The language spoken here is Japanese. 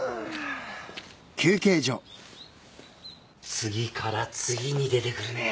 次から次に出てくるね。